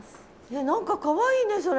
何かかわいいねそれ。